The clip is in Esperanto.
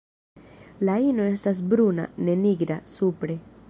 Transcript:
La ino estas bruna, ne nigra, supre.